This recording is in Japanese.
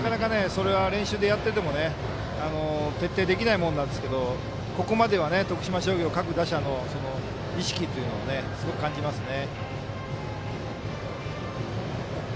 なかなか練習でやってても徹底できないものなんですけどここまでは、徳島商業各打者の意識というのをすごく感じますよね。